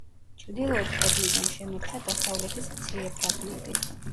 ჩრდილოეთ კედლიდან შემორჩა დასავლეთის მცირე ფრაგმენტი.